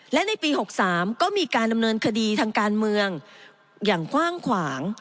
และในปี๖๓ก็มีการดำเนินคดีทางการเมืองอย่างกว้างขวาง